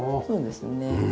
そうですね。